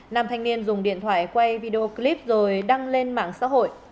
nam thanh niên dùng điện thoại quay video clip rồi đăng lên mạng xã hội